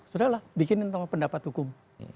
sudahlah bikinin pendapat hukum